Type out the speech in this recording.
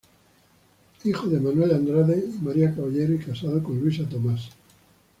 Hijo de Manuel Andrade y María Caballero y casado con Luisa Tomás.